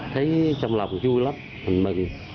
thấy trong lòng vui lắm mình mừng